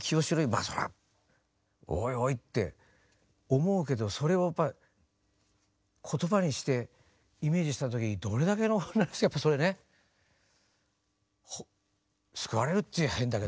まあそれはおいおいって思うけどそれをやっぱ言葉にしてイメージした時にどれだけの女の人がやっぱそれね救われるって言うのは変だけど。